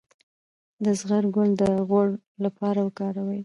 د زغر ګل د غوړ لپاره وکاروئ